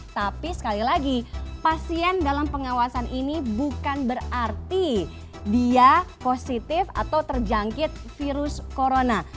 tapi sekali lagi pasien dalam pengawasan ini bukan berarti dia positif atau terjangkit virus corona